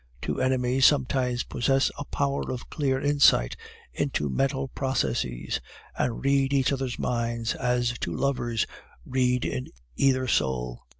Two enemies sometimes possess a power of clear insight into mental processes, and read each other's minds as two lovers read in either soul.